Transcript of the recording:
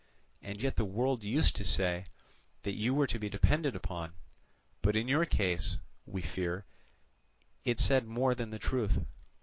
And yet the world used to say that you were to be depended upon; but in your case, we fear, it said more than the truth.